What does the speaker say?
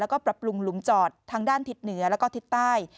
และปรับปรุงหลุมจอดทั้งด้านทิศเหนือและทิศใต้